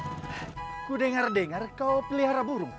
aku dengar dengar kau pelihara burung